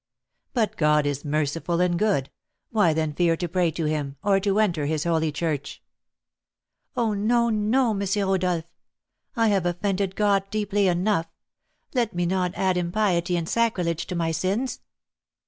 "But God is merciful and good; why, then, fear to pray to him, or to enter his holy church?" "Oh, no, no, M. Rodolph! I have offended God deeply enough; let me not add impiety and sacrilege to my sins."